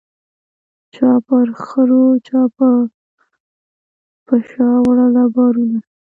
چا پر خرو چا به په شا وړله بارونه